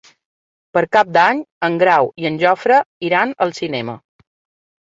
Per Cap d'Any en Grau i en Jofre iran al cinema.